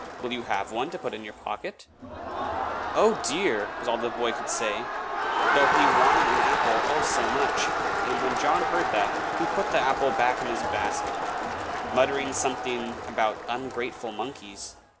"Will you have one to put in your pocket?" "Oh, dear!" was all the poor boy could say, though he wanted an apple, oh, so much! And when John heard that he put the apple back in his basket, muttering something about ungrateful monkeys.